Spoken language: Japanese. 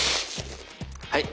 はい。